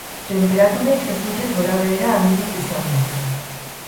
Tenperaturek ez dute gorabehera handirik izango.